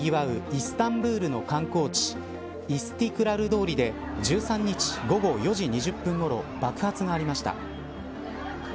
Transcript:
イスタンブールの観光地イスティクラル通りで１３日午後４時２０分ごろ爆発がありました。